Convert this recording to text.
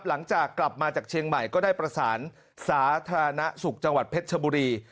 หลังจากกลับมาจากเชียงใหม่ก็ได้ประสานสาธารณสุขจังหวัดเพชรชบุรี